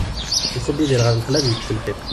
Iṣubb Yidir ɣer lexla ad ikkes lxiq.